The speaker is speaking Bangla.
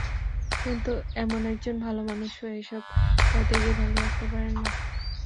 কিন্তু এমন একজন ভালো মানুষও এসব পদে গিয়ে ভালো থাকতে পারেন না।